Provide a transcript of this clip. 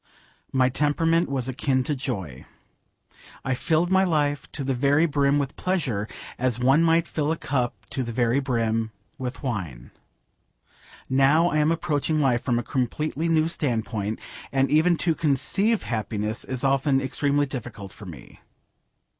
My temperament was akin to joy. I filled my life to the very brim with pleasure, as one might fill a cup to the very brim with wine. Now I am approaching life from a completely new standpoint, and even to conceive happiness is often extremely difficult for me.